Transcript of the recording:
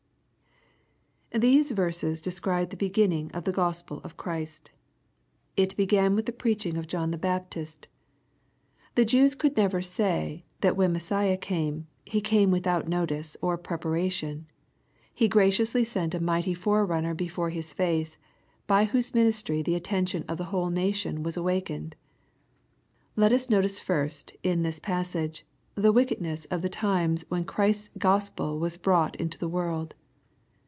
These verses describe the beginning of the Gospel of Christ. It began with the preaching of John the Baptist 84 EXPOSITOEY THOUGHTS. The Jews could never say, that when Messiah came, He came without notice or preparation. He graciously sent a mighty forerunner before His face, by whose ministry the attention of the whole nation was awakened. Let us notice first, in this passage, the wickedness of the times when Christ's Gospel was brought into the world.